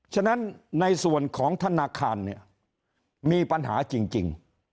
ฉะนั้นในส่วนของธนาคารเนี่ยมีปัญหาจริง